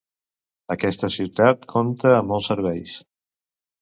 Aquesta ciutat compta amb molts serveis.